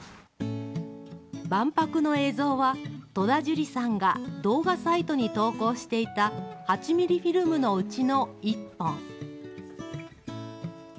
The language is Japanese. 万博の映像は、戸田じゅりさんが動画サイトに投稿していた８ミリフィルムのうちの１本。